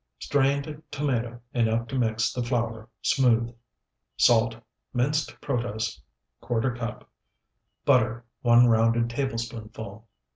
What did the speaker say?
Strained tomato enough to mix the flour smooth. Salt. Minced protose, ¼ cup. Butter, 1 rounded tablespoonful.